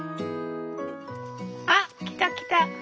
あっ来た来た！